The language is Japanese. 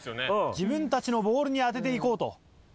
自分たちのボールに当てていこうと。